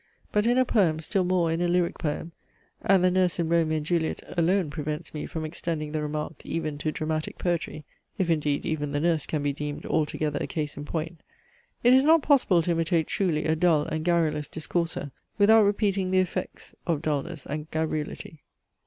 But in a poem, still more in a lyric poem and the Nurse in ROMEO AND JULIET alone prevents me from extending the remark even to dramatic poetry, if indeed even the Nurse can be deemed altogether a case in point it is not possible to imitate truly a dull and garrulous discourser, without repeating the effects of dullness and garrulity.